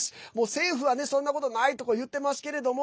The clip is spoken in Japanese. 政府はね、そんなことないとかいってますけれども